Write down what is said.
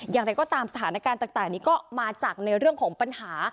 อย่างไรก็ตามสถานการณ์ต่างนี้ก็มาจากในเรื่องของปัญหา